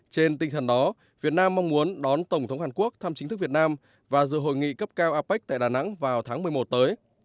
trên tinh thần đó việt nam mong muốn đón tổng thống hàn quốc thăm chính thức việt nam và dự hội nghị cấp cao apec tại đà nẵng vào tháng một mươi một tới